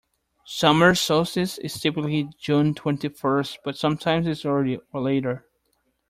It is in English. Summer solstice is typically June twenty-first, but sometimes it's earlier or later.